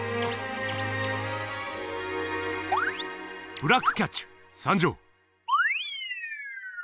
ブラックキャッチュ参上！